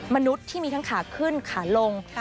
มนุษย์ที่มีทั้งขาขึ้นขาลง